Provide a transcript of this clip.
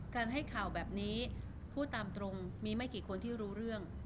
การให้ข่าวแบบนี้พูดตามตรงมีไม่กี่คนที่รู้เรื่อง